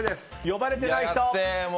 呼ばれてない人。